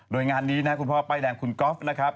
โดยงานนี้นะคุณพ่อป้ายแดงคุณก๊อฟนะครับ